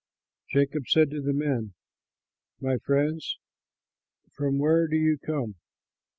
Jacob said to the men, "My friends, from where do you come?"